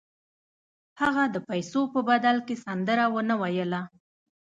هغه د پیسو په بدل کې سندره ونه ویله